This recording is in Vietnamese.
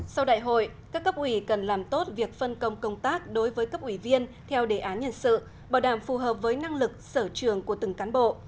sau đại hội các cấp ủy cần làm tốt việc phân công công tác đối với cấp ủy viên theo đề án nhân sự bảo đảm phù hợp với năng lực sở trường của từng cán bộ